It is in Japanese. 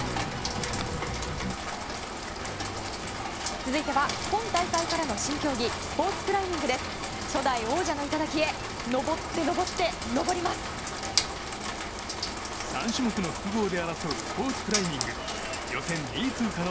続いては今大会からの新競技スポーツクライミングです。